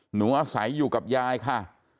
หนูอาศัยอยู่กับยายค่ะ